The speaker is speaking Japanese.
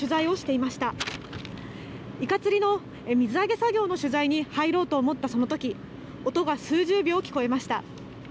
いか釣りの水揚げ作業の取材に入ろうと思ったそのとき音が数十秒、聞こえました。